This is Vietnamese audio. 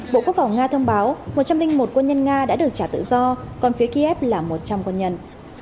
bộ quốc phòng nga thông báo một trăm linh một quân nhân nga đã được trả tự do còn phía kiev là một trăm linh quân nhân